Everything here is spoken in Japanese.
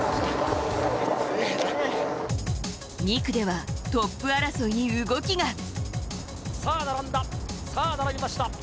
２区ではトップ争いに動きが。